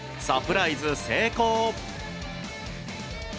サプライズ成功。